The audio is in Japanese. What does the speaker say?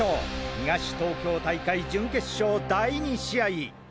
東東京大会準決勝第２試合。